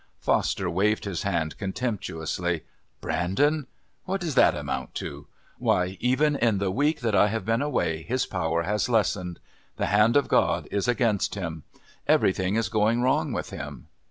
Foster waved his hand contemptuously. "Brandon? What does that amount to? Why, even in the week that I have been away his power has lessened. The hand of God is against him. Everything is going wrong with him.